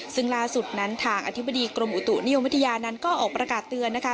ซึ่งล่าสุดนั้นทางอธิบดีกรมอุตุนิยมวิทยานั้นก็ออกประกาศเตือนนะคะ